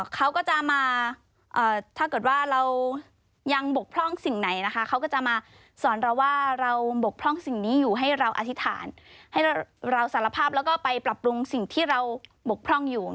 เขาก็จะมาถ้าเกิดว่าเรายังบกพร่องสิ่งไหนนะคะเขาก็จะมาสอนเราว่าเราบกพร่องสิ่งนี้อยู่ให้เราอธิษฐานให้เราสารภาพแล้วก็ไปปรับปรุงสิ่งที่เราบกพร่องอยู่